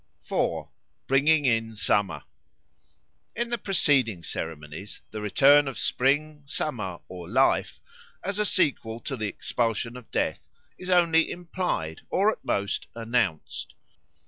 4. Bringing in Summer IN THE PRECEDING ceremonies the return of Spring, Summer, or Life, as a sequel to the expulsion of Death, is only implied or at most announced.